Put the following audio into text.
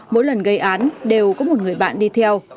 mỗi lần gây án đều có một người bạn đi theo